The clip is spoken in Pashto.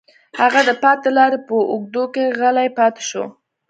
هغه د پاتې لارې په اوږدو کې غلی پاتې شو